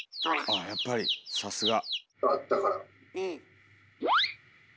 ああやっぱりさすが。